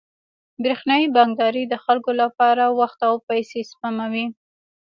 برېښنايي بانکداري د خلکو لپاره وخت او پیسې سپموي.